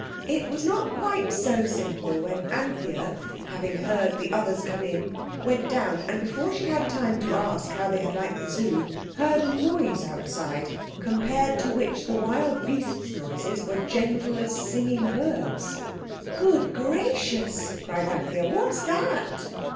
It was not quite so simple when Anthea, having heard the others come in, went down, and before she had had time to ask how they had liked the Zoo, heard a noise outside, compared to which the wild beasts' noises were gentle as singing birds. "Good gracious!" cried Anthea, "what's that?"